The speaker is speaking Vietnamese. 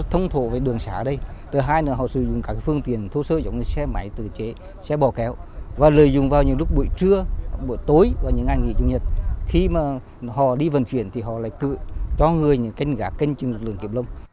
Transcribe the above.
họ đi vận chuyển thì họ lại cự cho người những kênh gác kênh chứng lực lượng kiểm lâm